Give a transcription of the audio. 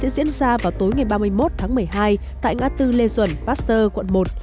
diễn ra vào tối ngày ba mươi một tháng một mươi hai tại ngã tư lê duẩn pasteur quận một